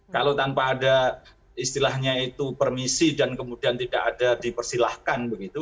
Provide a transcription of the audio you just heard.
kalau tanpa ada istilahnya itu permisi dan kemudian tidak ada dipersilahkan begitu